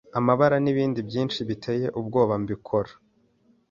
amababa n’ibindi byinshi biteye ubwoba mbikora